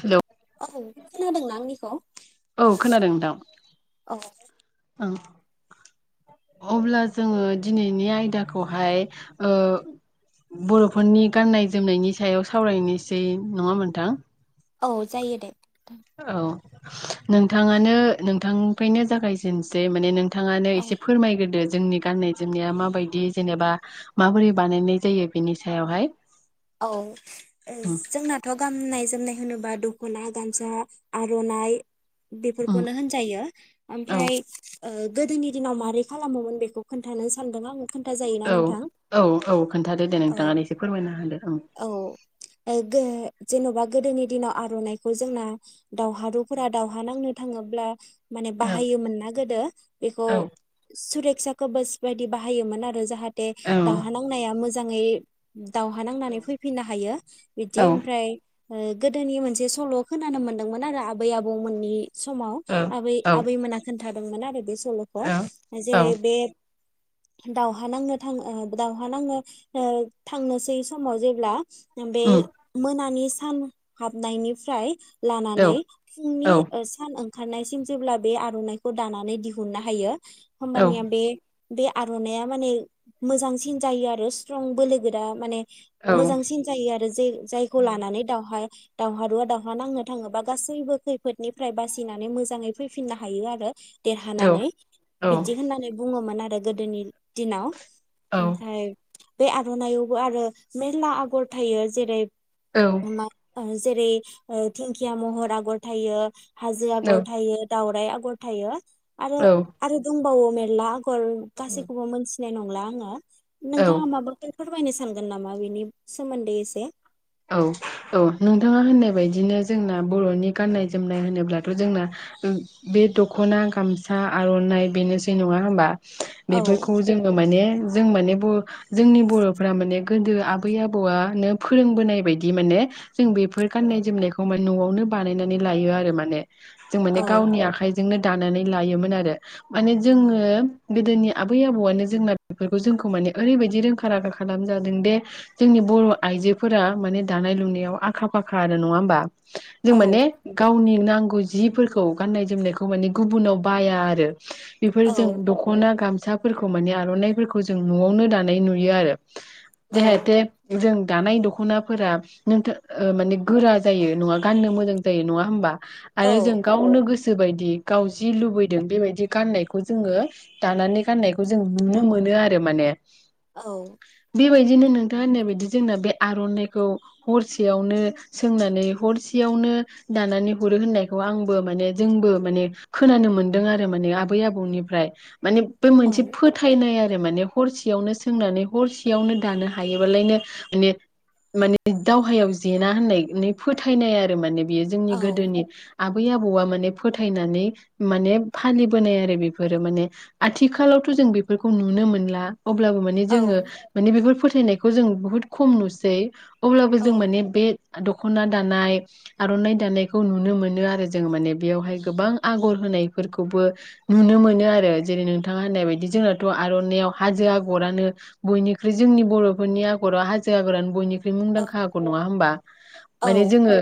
Hello औ खोनादोंना आंनिखौ औ खोनादों नोंथां औ ओं अब्ला जोङो दिनैनि आयदाखौहाय अ बर'फोरनि गाननाय जोमनायनि सायाव सावरायनोसै नङा होनबा नोंथां। औ जायो दे औ नोंथाङानो नोंथांनिफ्रायनो जागायजेननोसै माने नों- थाङानो औ एसे फोरमायग्रोदो जोंनि गाननाय जोमनाया माबायदि जेनेबा माबोरै बानायनाय जायो बेनि सायावहाय औ उम जोंनाथ' गाननाय जोमनाय होनोबा दख'ना गामसा आर'नाइ उम बेफोरखौनो होनजायो औ ओमफ्राय ओ गोदोनि दिनाव माबारै खालामोमोन बेखौ खोन्थानो सानदों आं खोन्था जायोना औ नोंथां औ औ खोन्थादो दे औ नोंथाङा एसे फोरमायना होदो ओं औ ए [unintelligible] जेन'बा गोदोनि दिनाव आर'नाइखौ जोंना दावहारुफोरा दावहा नांनो थाङोब्ला माने औ बाहायोमोन ना गोदो बेखौ सुरे रिक्साखौ बास बायदि बाहायोमोन आरो जाहा थे दावहा नांनाया मोजां मोजाङै दाव हा नांनानै फैफिननो हायो औ बिदि ओमफ्राय गोदोनि मोनसे सल' खोनानो मोन्दोंमोन आरो आबै आबौमोननि समाव आबै औ औ आबै मोना खोन थादोंमोन आरो बे सल'खौ जे औ औ बे दावहा नांनो थां ओ दावहा नांनो ओ थांनोसै समाव जेब्ला बे उम मोनानिस सान हाबनायनिफ्राय औ लानानै औ फुंनि ओ सान ओं खारनायसिम जेब्ला बे आर'नाइखौ दानानै दिहुननो हायो होमबानिया बे बे आर'नाया माने मोजांसिन जायो आरो स्ट्रं बोलो गोरा माने औ मोजांसिन जायो आरो जे जायखौ लानानै दावहा दावहारुवा दावहा नांनो थाङोबा गासैबो खैफोदनिफ्राय बासिनानै मोजाङै फैफिननो हायो आरो औ देरहानानै औ बिदि होननानै बुङोमोन आरो गोदोनि दिनाव ओमफ्राय बे आर'नायआवबो आरो मेरला आगर थायो जेरै औ मा [unintelligible] जेरै- ओ दिंखिया महर आगर थायो। हाजो आगर औ थायो दाउ राय आगर थायो। आरो आरो दं बावो मेल्ला ओं गासैखौबो मोनस सिनाय नंला आङो। नोंथाङा माबाफोर फोरमायनो सानगोन नामा? बिनि सोमोनदै एसे औ औ नोंथाङा होननाय बदियैनो जोंना बर'नि गाननाय जोमनाय होनोब्लाथ' जोंना बे दख'ना, गामसा, आर'नाइ बेनोसै नङा होमबा? औ बेफोरखौ जोङो माने जों माने ब जोंनि बर'फ्रा माने गोदो आबै आबौआनो फोरों बोनाय बायदि माने जों बेफोर गाननाय जोमनायखौ मा न'आवनो बानायनानै लायो आरो माने। जों माने औ गावनि आखाइ जोंनो दानानै लायोमोन आरो। माने औ जोङो गोदोनिया आबै आबौआनो जोंना बेफोरखौ जोंखौ माने ओरैबायदि रोंखा-राखा खालामजादों दे जोंनि बर' आइजो फोरा माने दानाय लुनायाव आखा-फाखा नङा होमबा? जों औ माने गावनि नांगौ जिफोरखौ गाननाय जोमनायखौ माने गुबुनाव बाया आरो। बेफोरजों औ दख'ना गाम साफोरखौ माने आर'नाइफोरखौ जों न'आवनो दानाय नुयो आरो। औ जाहाथे जों दानाय दख दख'नाफोरा नोंथ माने गोरा जायो नङा गाननो मोजां जायो नङा होमबा? औ आरो जों गावनो गोसो गोसोबायदि गाव जि लुबैदों बेबायदि गाननायखौ जोङो दानानै गाननायखौ जों नुनो मोनो आरो माने। औ। बिदिनो नोंथाङा होननाय बायदि जोंना बे आर'नाइखौ हरसेयावनो सोंनानै हरसेयावनो दानानै हरो होननायखौ आंबो माने जोंबो माने खोनानो मोनदों आरो माने आबै आबौनिफ्राय। माने बे औ मोनसे फोथायनाय आर आरो माने हरसेयावनो सोंनानै हरसेयावनो दानो हायोबालायनो माने माने दावहायाव जेना होननानै फोथायनाय आरो माने। बेयो जोंनि औ गोदोनि आबै आबौआ माने फोथायनानै माने फालिबोनाय आरो बेफोरो माने आथिखालावथ' जों बेफोरखौ नुनो मोनला अब्लाबो माने जोङो माने बेफोर फोथ फोथायनायखौ जों बहुत खम नुसै [unintelligible] अब्लाबो जों औ माने बे दखना दानाय आर'नाइ दानायखौ नुनो मोनो आरो जों माने बेयावहाय गोबां आगर होनायफोरखौबो नुनो मोनो आरो जेरै नोंथाङा होननाय बायदि जोंनाथ' आर'नाइआव हाजो आग'रानो बयनिख्रुइ जोंनि बर'फोरनि आगराव हाजो आगरानो बयनिख ख्रुइ औ मुंदांखा आगर नङा होमबा औ माने जोङो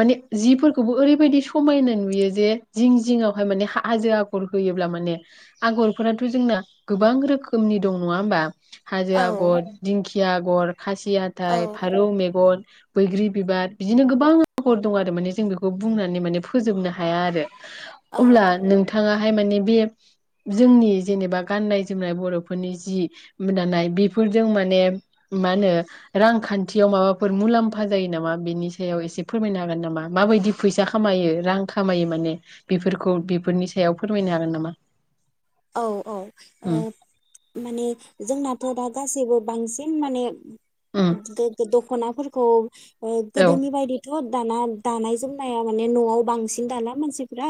माने जिफोरखौबो ओरैबायदि समायना नुयो जे जिं जिंआवहाय माने हाजो आगर होयोब्ला माने आगरफोराथ' जोंना गोबां रोखोमनि दं नङा होमबा हाजो औ आगर दिंखि या आगर खासि औ थाय फारौ मेगन बैग्रि बिबार बिदिनो गोबां आगर दं आरो माने जों बेखौ बुंनानै माने फोजोबनो हाया आरो औ अब्ला नोंथाङा बेहाय माने बे जोंनि जेनेबा गाननाय जोमनाय बर'फोरनि जि दानाय बेफोरजों माने मा होनो रांखान्थियाव माबाफोर मुलाम्फा जायो नामा बेनि सायाव एसे फोरमायनो हागोन नामा माबायदि फैसा खामायो रां खामायो माने बेफोरखौ बेफोरनि सायाव फोरमायनो हागोन नामा? औ औ उम ओम माने जोंना थ' दा गासैबो बांसिन माने उम दो दख'नाफोर औस औ गोदोनि बायदिथ' थ' दाना दानाय जोमनाया माने न'आव बांसिन दाला मानसिफ्रा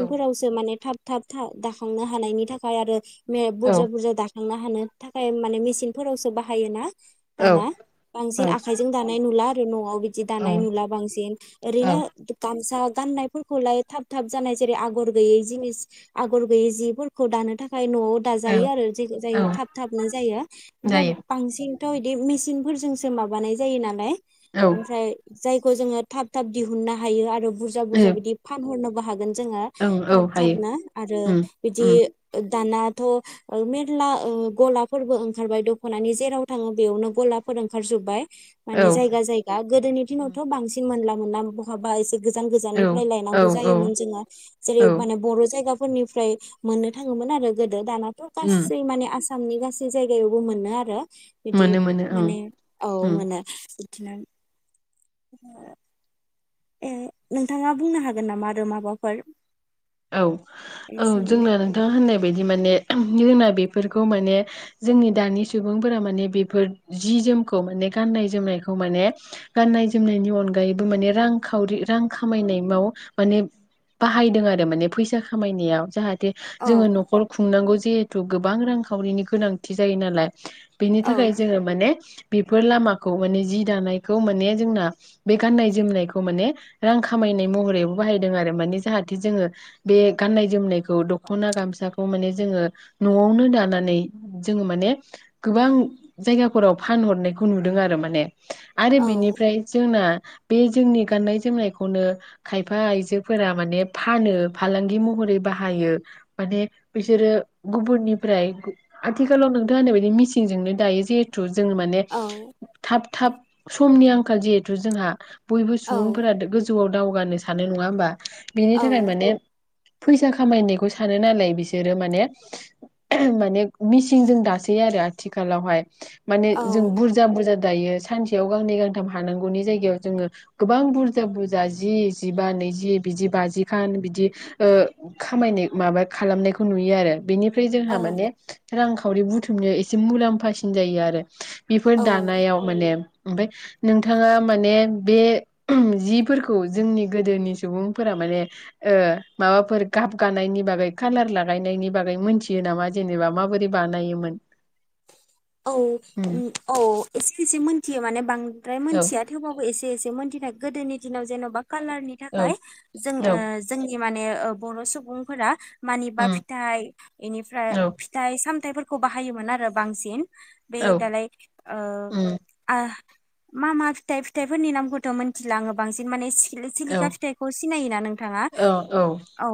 औ माने थाब थाब था दाखांनो हा हानायनि थाखाय आरो मे औ बुरजा बुरजा दा थांनो हानो थाखाय माने मेचिनफोरावसो बाहायो ना औ दाना बांसिन औ आखाइजों दानाय नुला आरो न'आव बिदि दानाय औ नुला बांसिन ओरैनो औ गामसा गाननायफोरखौलाय थाब थाब जानाय जेरै आगर गैयै जिनिस आगर गैयै जि फोरखौ दानो थाख खाय न'आव दाजायो औ आरो जेखो जाय औ थाब थाबनो जायो ओमफ्राय जायो बांसिन थ' इदि मेचिनफोरजोंसो माबानाय जायो नालाय औ ओमफ्राय जाय खौ जोङो थाब थाब दिहुननो हायो आरो बुरजा बुरजा बिदि फानहरन बो हागोन । जोङो ओं औ थाब हायो थाब ना आरो उम बिदि उम ओ दानाथ' ओ मेरला ओह गलाफोरबो ओंखारबाय दख'नानि जेराव थाङो बेयावनो गलाफोर ओंखारजोबबाय। औ औ माने जायगा जायगा गोदोनि दिनावथ' बांसिन मोनला नाम बहाबा एसे गोजान गोजाननिफ्राय औ लायनांगौ औ जायोमोन जोङो जेरै औ माने बर' जायगा फोरनिफ्राय मोननो थाङोमोन आरो गोद दानाथ' उम गासै माने आस सामनि गासै जायगायावबो मोनो आरो बिदि मोनो मोनो ओं माने औ उम मोनो। [unintelligible] [inaudible] ए नोंथाङा बुंनो हागोन नामा आरो माबाफोर? औ बेनि औ सोमोन्दै? जोंना नोंथाङा होननाय बायदि माने जोंना बेफोरखौ माने जोंनि दानि सुबुंफोरा माने बेफोर जि जोमखौ माने गाननाय जोमनायखौ माने गाननाय जोमनायनि अनगायैबो माने रांखावरि रां खामायनायबाव माने बाहायदों आरो माने फैसा खामायनायाव जाहा थे औ जोङो न'खर खुंनांगौ जेहे थ' गोबां रांखावरिनि गोनांथि जायो नालाय बेनि औ थाखाय जोङो माने बेफोर लामाखौ माने जि दानायखौ माने जोंना बे गाननाय जोमनायखौ माने रां खामायनाय महरैबो बाहायदों आरो माने जाहाथे जोङो बे गाननाय जोमनायखौ दख'ना गामसाखौ माने जोङो न'आवनो दानानै जोङो माने गोबां जायगाफोराव फानहरनायखौ नुदों आरो माने आरो औ बिनिफ्राय जोंना बे जोंनि गाननाय जोमनायखौनो खायफा आइजोफोरा माने फानो फालांगि महरै बाहायो माने बिसोरो गुबुननिफ्राय आथिखालाव नोंथां होननाय बायदि मिसिंजोंनो दायो जिहेथु जोङो माने औ थाब थाब समनि आंखाल जिहेथु जोंहा बयबो औ सुबुंफोरा दो गोजौआव दावगानो सानो नङा होनोमबा? बिनि औ थाखाय माने फैसा खामायनायखौ सानो नालाय बिसोरो माने माने मिसिंजों दासै आरो आथिखालावहाय माने जों बुरजा बुरजा दायो सानसेयाव गांनै गांथाम हानांगौनि जायगायाव जोङो गोबां बुरजा बुरजा जि जिबा नैजि बिदि बाजिखान बिदि ओ खामायनाय माबा खालामनायखौ नुयो आरो बेनि फ्राय जोंहा औ माने रांखावरि बुथुमनायाव एसे मुलाम्फासिन जायो आरो बेफोर औ दानायाव माने ओमफ्राय नोंथाङा माने बे जिफोरखौ जोंनि गोदोनि सुबुंफोरा माने ओ माबाफोर गाब गानायनि बागै कालार लागायनायनि बागै मोनथियो नामा जेनेबा माबोरै बानायोमोन औ उम औ एसे एसे मोनथियो माने बांद्राय औ मिथिया थेवबाबो एसे एसे मिथिनाय गोदोनि दिनाव जेन'बा कालारनि औ थाखाय जों औ ओ जोंनि माने ओ बर' सुबुंफोरा मानिबा उम फिथाइ इनिफ्राय औ फिथाइ साम थाइफोरखौ बाहायोमोन आरो बांसिन बे औ दालाय ओ उम आ मा मा फिथाइ फिथाइफोरनि नामखौथ' मोनथिला आङो बांसिन माने सि खिलि औ सिलिखा फिथाइखौ सिनायोना नोंथाङा औ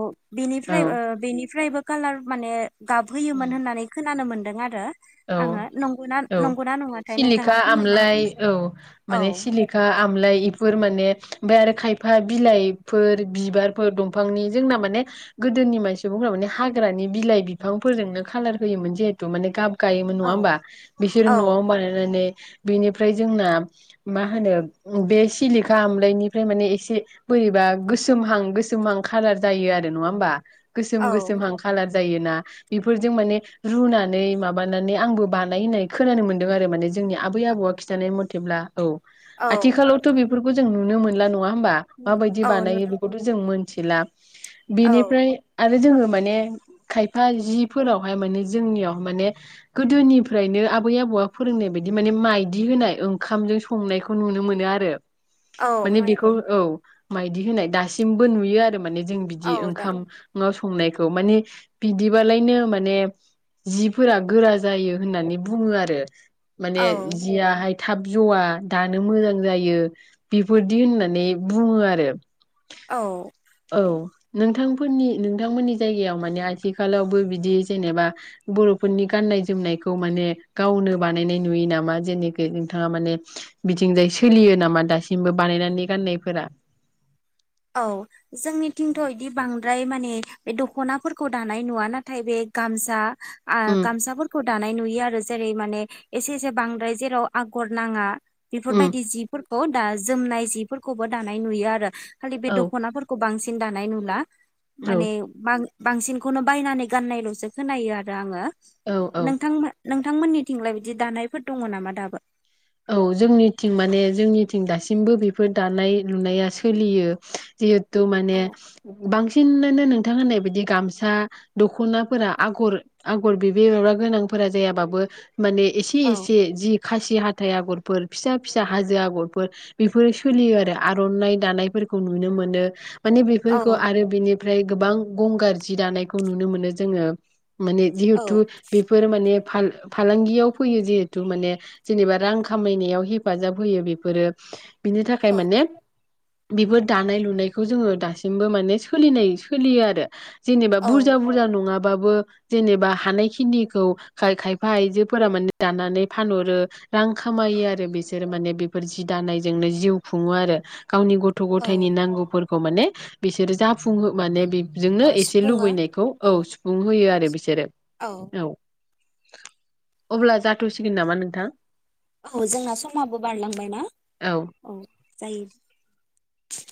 औ बिनिबोफ्राय ओ बिनिफ्रायबो कालार माने गाबहोयोमोन उम होननानै खोनानोमोन दों आरो औ आङो नंगौना औ नंगौना नङाथाय सिलिखा नोंथाङा फोरमायनो आमलाय हागोन औ औ माने सिलिखा आमलाय बेफोर माने ओमफ्राय आरो खायफा बिलाइफोर बिबारफोर दंफांनि जोंना माने गोदोनि मान सुबुंफोरा माने हाग्रानि बिलाइ बिफांफोरजोंनो खाालार होयोमोन जिहेतु माने गाब गायोमोन नङा औ होमबा बिसोरो औ न'आवनो बानायनानै बेनिफ्राय जोंना मा होनो बे सिलिखा आमलाायनिफ्राय माने एसे बोरैबा गोसोमहां गोसोमहां खालार जायो आरो नङा होमबा गोसोम गोसोम औ हांखालाद जायोना बेफोरजों माने रुनानै माबानानै आंबो बानायनाय खोनानो मोन्दों आरो माने जोंनि आबै आबौआ खिन्थानाय मथेब्ला औ औ आथिखालावथ' बेफोरखौ जों नुनो मोनला नङा ह होनबा माबायदि औ बानायो नुदों बेखौथ' जों मोन सिलाप औ बेनिफ्राय आरो जोङो माने खायफा जिफोरावहाय माने जोंनियाव माने गोदोनिफ्रायनो आबै आबौआ फोरोंनाय बायदि माने माइदि होनाय ओंखामजों संनायखौ नुनो मोनो आरो औ माने माइ बेखौ औ मायदि होनाय दासिमबो नुयो आरो माने जों बिदि औ दा ओंखाम संनायखौ मान बिदिबालायनो माने फोरा गोरा जायो होननानै बुङो आरो। माने औ जिया हाय थाब जवा दानो मोजां जायो बेफोरदि होननानै बुङो आरो। औ औ दे नोंथां नि नोंथांमोननि जायगायाव माने आथिखालावबो बिदि जेनेबा बर' फोरनि गान्नाय जोमनायखौ माने गावनो बानायनाय नुयो नामा जेनेखि नोंथाङा माने बिथिंजाय सोलियो नामा दासिमबो बानायनानै गाननायफोरा औ जोंनिथिंथ' बिदि बां बांद्राय माने बे दख'नाफोरखौ दानाय नुवा नाथाय बे गामसाा आ उम गामसाफोर खौ दानाय नुयो आरो जेरै माने एसे एसे बांद्राय जेराव आगर नाङा। उम बेफोरबायदि जिफोरखौ दा जोमनाय जिफोरखौबो दानाय नुयो आरो। खालि बे औ दख'नाफोरखौ बांसिन दानाय नुला। औ माने बां बांसिनखौनो बायनानै गाननायल'सो खोनायो आरो आङो। औ औ नोंथां मा नोंथांमोननिथिंलाय बिदि दानायफोर दङ नामा दाबो? औ जोंनिथिं माने जोंनिथिं दासिमबो बेफोर दानाय लुनाया सोलियो जि थु माने औ बांसि सिन्नोनो नोंथां होननाय बिदि गामसा दख'नाफोरा आगर आगर बेबेबाबा गोनांफोरा जायाबाबो। माने एसे औ एसे जि खासि हा थाइ आगरफोर फिसा फिसा हाजो आगरफोर बेफोरो सोलियो आरो आर'नाइ दानायफोरखौ नुनो मोनो। मानि औ बेफोरखौ आरो बिनि फ्राय गोबां गंगार जि दानायखौ नुनो मोनो जोङो। माने जिहेथु बेफोर माने फाल-फालांगियाव फैयो जिहेथु माने जेनेबा रां खामायनायाव हेफाजाब होयो बेफोरो। बिनि थाखाय औ माने-' बेफोर दानाय लुनायखौ जोङो दासिमबो माने सोलिनाय सोलियो आरो। जेनेबा बुरजा औ बुरजा नङा। बाबो जेनेबा हानाय खिनिखौ खाय-खायफा आइजोफोरा माने दानानै फानहरो। रां खामायो आरो बिसोरो माने बेफोर जि दानायजोंनो जिउ खुङो आरो। गावनि गथ' औ गथायनि नांगौफोर खौ माने बिसोर जा फुङो माने बेबजोंनो औ एसे सिफुङो लुबैनायखौ औ सुफुं होयो आरो बिसोरो। औ। अब्ला जाथ'सिगोन नामा नोंथां? औ जोंना समाबो बारलांबाय ना? औ। जायो।